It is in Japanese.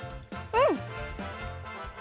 うん。